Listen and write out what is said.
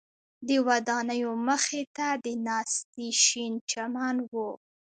د ودانیو مخ ته د ناستي شین چمن و.